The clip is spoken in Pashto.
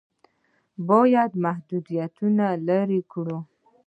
باید محدودیتونه لرې کړو.